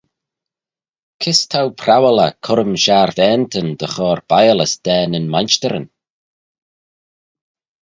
Kys t'ou prowal eh currym sharvaantyn dy chur biallys da nyn mainshtyryn?